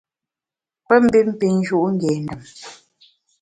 Pe mbin pin nju’ ngé ndem.